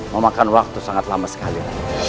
memakan waktu sangat lama sekali